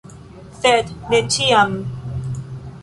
Sed ne ĉiam!